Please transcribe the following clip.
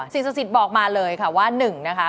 สิทธิ์ศักดิ์สิทธิ์บอกมาเลยค่ะว่าหนึ่งนะคะ